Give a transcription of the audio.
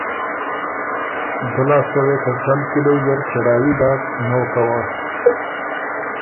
دۀ لاسته وې ته ټل کِلئ زر چړهايي داک نوکه وه۔